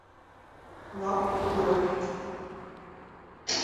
Lapu koki.